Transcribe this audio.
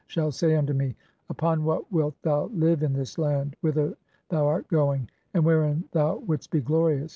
shall say [unto me], 'Upon what wilt "thou live in this land whither thou art going, and wherein thou "wouldst be glorious?'